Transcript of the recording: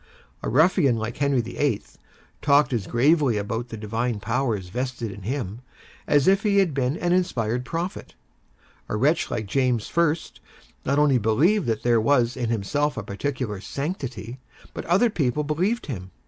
A ruffian like Henry VIII. talked as gravely about the divine powers vested in him, as if he had been an inspired prophet. A wretch like James I. not only believed that there was in himself a particular sanctity, but other people believed him.